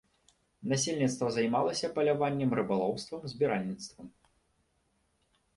Насельніцтва займалася паляваннем, рыбалоўствам, збіральніцтвам.